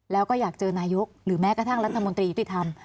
แล้วก็อยากเจอนายกหรือแม้กระทั่งรัฐมนตรียุติธรรม